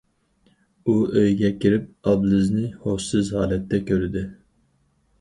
ئۇ ئۆيگە كىرىپ ئابلىزنى ھوشسىز ھالەتتە كۆردى.